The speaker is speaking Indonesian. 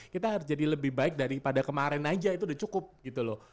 kita harus jadi lebih baik daripada kemarin aja itu udah cukup gitu loh